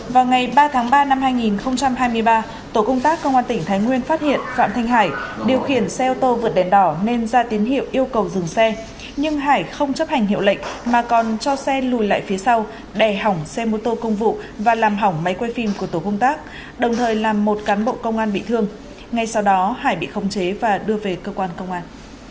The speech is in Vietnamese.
hàng ba năm hai nghìn hai mươi ba tổ công tác công an tỉnh thái nguyên phát hiện phạm thanh hải điều khiển xe ô tô vượt đèn đỏ nên ra tiến hiệu yêu cầu dừng xe nhưng hải không chấp hành hiệu lệnh mà còn cho xe lùi lại phía sau đè hỏng xe mô tô công vụ và làm hỏng máy quay phim của tổ công tác đồng thời làm một cán bộ công an bị thương ngay sau đó hải bị khống chế và đưa về cơ quan công an